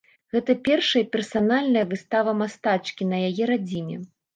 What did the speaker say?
Гэта першая персанальная выстава мастачкі на яе радзіме.